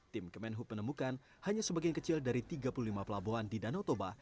tim kemenhub menemukan hanya sebagian kecil dari tiga puluh lima pelabuhan di danau toba